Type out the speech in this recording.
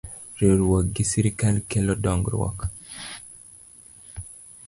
Riwruok gi Sirkal kelo dongruok